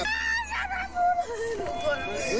ลุก